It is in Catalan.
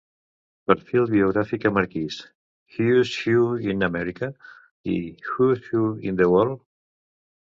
Perfil biogràfic a Marquis, Who's Who in America i Who's Who in the World.